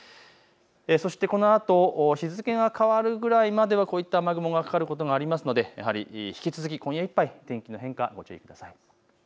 そしてこのあと日付が変わるぐらいまではこういった雨雲がかかることがありますので、引き続き今夜いっぱい天気の変化にご注意ください。